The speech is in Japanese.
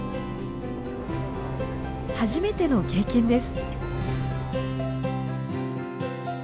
初めての経験です。